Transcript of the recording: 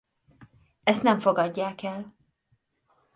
Ezt nem fogadják el.